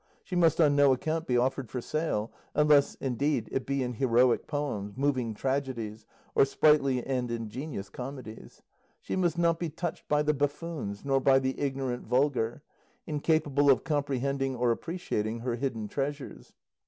She must on no account be offered for sale, unless, indeed, it be in heroic poems, moving tragedies, or sprightly and ingenious comedies. She must not be touched by the buffoons, nor by the ignorant vulgar, incapable of comprehending or appreciating her hidden treasures.